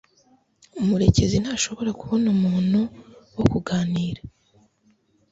Murekezi ntashobora kubona umuntu wo kuganira.